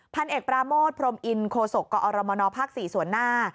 พันเอกปราโมทพรมอินโคศกกอรมนภ๔ส่วนหน้า